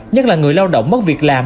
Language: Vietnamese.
nhất là người lao động mất việc làm